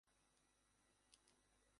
থাঙ্গারাজ, আমরা আগামী সপ্তাহে সেটা কভার করব।